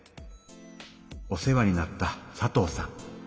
お世話になった佐藤さん。